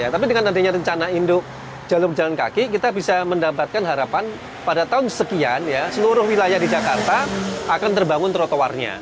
tapi dengan adanya rencana induk jalur pejalan kaki kita bisa mendapatkan harapan pada tahun sekian ya seluruh wilayah di jakarta akan terbangun trotoarnya